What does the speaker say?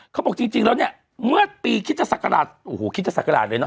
เขาบอกจริงแล้วเมื่อปีศิษย์ศักราชโอ้โหศิษย์ศักราชเลยเนอะ